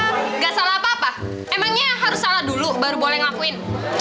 nggak salah apa apa emangnya harus salah dulu baru boleh ngelakuin